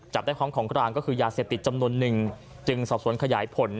จับได้พร้อมของกลางก็คือยาเสพติดจำนวนหนึ่งจึงสอบสวนขยายผล